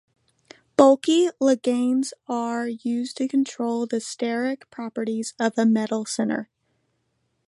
Bulky ligands are used to control the steric properties of a metal center.